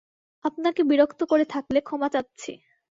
আপনাকে বিরক্ত করে থাকলে ক্ষমা চাচ্ছি।